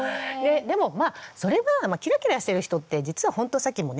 でもまあそれはキラキラしてる人って実はほんとさっきもね